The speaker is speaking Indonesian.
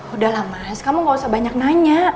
udah lah mas kamu gak usah banyak nanya